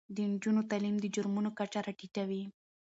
د نجونو تعلیم د جرمونو کچه راټیټوي.